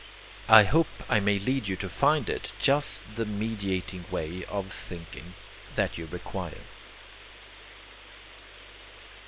I hope I may lead you to find it just the mediating way of thinking that you require.